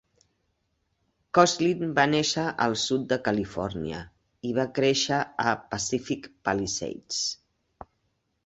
Kosslyn va néixer al sud de Califòrnia i va créixer a Pacific Palisades.